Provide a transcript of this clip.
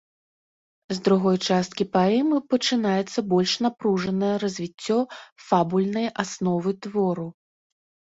З другой часткі паэмы пачынаецца больш напружанае развіццё фабульнай асновы твору.